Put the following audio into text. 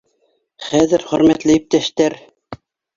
Хәҙер, хөрмәтле иптәштәр